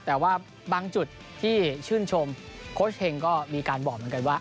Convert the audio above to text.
แต่ว่าบางจุดที่ชื่นชมโค้ชเฮงก็มีการบอกเหมือนกันว่า